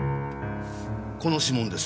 この指紋です。